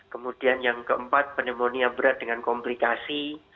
kemudian yang keempat pneumonia berat dengan komplikasi